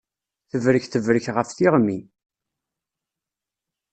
Tebrek tebrek ɣef tiɣmi